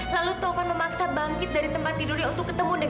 kamu jangan paksakan diri kamu